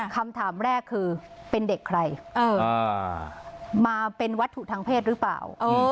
คำถามแรกคือเป็นเด็กใครมาเป็นวัตถุทางเพศหรือเปล่า